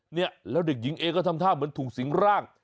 เนี่ยแล้วเด็กหญิงเอก็ทำท่าเหมือนถูกสิงร่าง